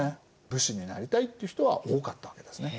武士になりたいっていう人は多かったわけですね。